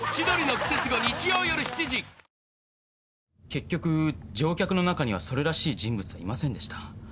結局乗客の中にはそれらしい人物はいませんでした。